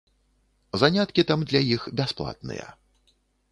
Заняткі там для іх бясплатныя.